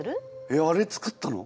えっあれ作ったの？